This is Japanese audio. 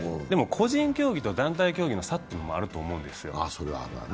でも、個人競技と団体競技の差ってあると思うんですよ。